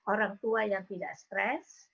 orang tua yang tidak stres